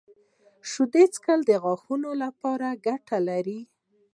• د شیدو څښل د غاښونو لپاره ګټور دي.